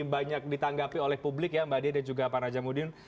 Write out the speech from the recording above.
banyak ditanggapi oleh publik ya mbak dea dan juga pak najamudin